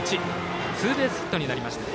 ツーベースヒットになりました。